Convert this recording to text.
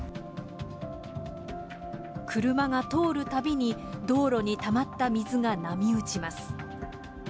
車が通るたびに、道路にたまった水が波打ちます。